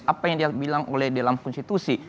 apa yang dia bilang oleh dalam konstitusi